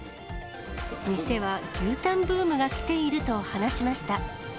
店は牛タンブームがきていると話しました。